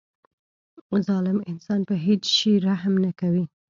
ظالم انسان په هیڅ شي رحم نه کوي.